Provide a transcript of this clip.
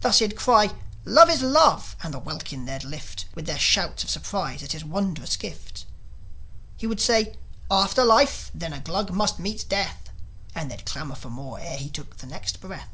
Thus he'd cry, "Love is love 1" and the welkin they'd lift With their shouts of surprise at his wonderful gift. He would say "After life, then a Glug must meet death!" And they'd clamour for more ere he took the next breath.